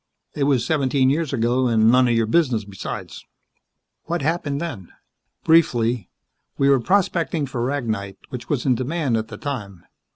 "It was seventeen years ago, and none of your business besides." "What happened then?" "Briefly, we were prospecting for ragnite, which was in demand at the time.